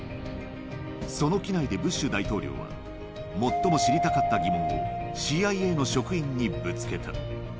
その機内でブッシュ大統領は、最も知りたかった疑問をＣＩＡの職員にぶつけた。